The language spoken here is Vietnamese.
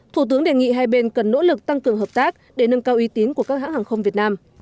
thủ tướng đề nghị hai bên cần nỗ lực tăng cường hợp tác để nâng cao uy tín của các hãng hàng không việt nam